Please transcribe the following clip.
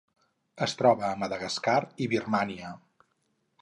Es troba a Madagascar i Birmània.